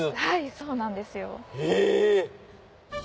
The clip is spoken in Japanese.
はいそうなんですよ。え！